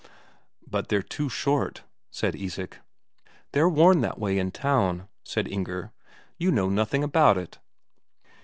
"But they're too short," said Isak. "They're worn that way in town," said Inger. "You know nothing about it."